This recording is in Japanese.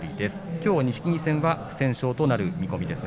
きょう錦木戦は不戦勝となる見込みです。